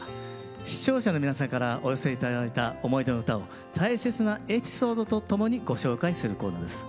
視聴者の皆さんからお寄せ頂いた思い出の唄を大切なエピソードとともにご紹介するコーナーです。